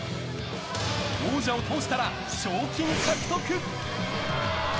王者を倒したら賞金獲得！